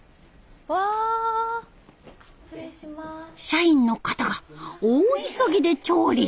社員の方が大急ぎで調理。